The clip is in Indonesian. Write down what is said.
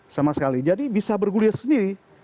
sama sekali jadi bisa bergulir sendiri